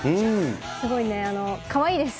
すごいかわいいです。